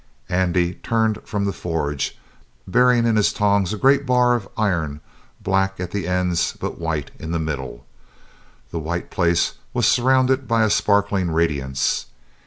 Andy turned from the forge, bearing in his tongs a great bar of iron black at the ends but white in the middle. The white place was surrounded by a sparkling radiance.